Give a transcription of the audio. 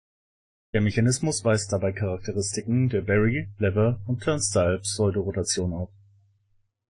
Der Mechanismus weist dabei Charakteristiken der Berry-, Lever- und Turnstile-Pseudorotation auf.